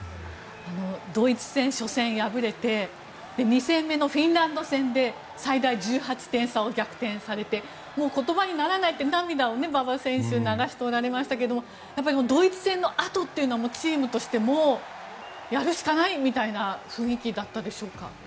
ドイツ戦、初戦敗れて２戦目のフィンランド戦で最大１８点差を逆転されてもう言葉にならないって涙を、馬場選手流しておられましたがドイツ戦のあとというのはチームとしてもやるしかないみたいな雰囲気だったんでしょうか？